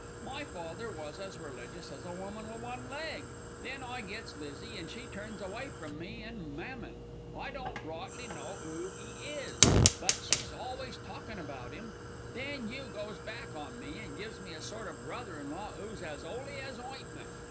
"My father was as religious as a woman wi' one leg, then I gets Lizzie an' she turns away from me an' 'Mammon' I don't rightly know 'oo 'e is, but she's always talkin' about 'im then you goes back on me an' gives me a sort of brother in law 'oo's as 'oly as ointment.